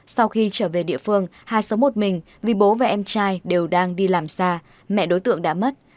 sau khi trở về địa phương hai sống một mình vì bố và em trai đều đang đi làm xa mẹ đối tượng đã mất